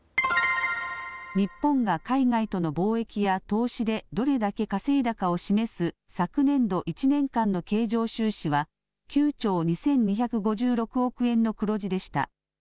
日本が海外との貿易や投資でどれだけ稼いだかを示す昨年度１年間の経常収支は９兆２２５６億円の黒字でした。